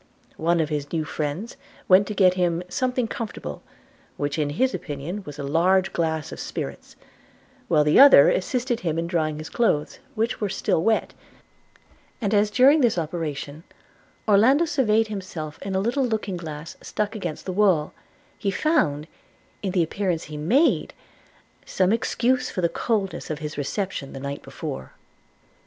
One of his new friends went to get him 'something comfortable,' which in his opinion was a large glass of spirits; while the other assisted him in drying his clothes, which were still wet; and as during this operation Orlando surveyed himself in a little looking glass stuck against the wall, he found, in the appearance he made, some excuse for the coldness of his reception the night before.